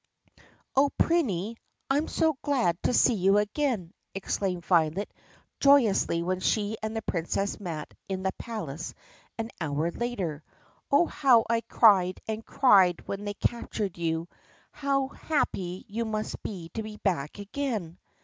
"Oh, Prinny! I am so glad to see you again!" exclaimed Violet joyously when she and the Princess met in the palace an hour later. "Oh, how I cried and cried when they captured you ! How happy you must be to be back again